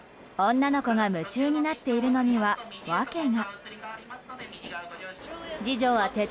女の子が夢中になっているのには、訳が。